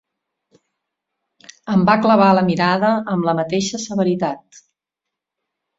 .. em va clavar la mirada amb la mateixa severitat.